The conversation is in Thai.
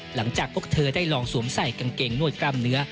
หลังจากพวกเธอได้ลองสวมใส่กางเกงนวดกล้ามเนื้อ